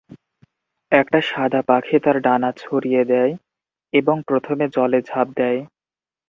একটা সাদা পাখি তার ডানা ছড়িয়ে দেয় এবং প্রথমে জলে ঝাঁপ দেয়।